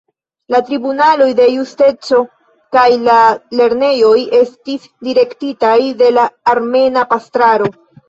La tribunaloj de justeco kaj la lernejoj estis direktitaj de la armena pastraro.